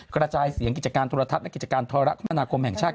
กระจายเสียงกิจการโทรทัศน์และกิจการโทรคมนาคมแห่งชาติ